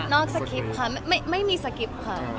นอกสคริปท์ค่ะ